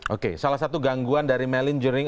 oke salah satu gangguan dari melingering